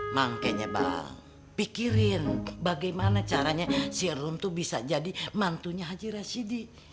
makanya bang pikirin bagaimana caranya si erum tuh bisa jadi mantunya haji rashidi